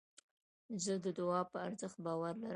زه د دؤعا په ارزښت باور لرم.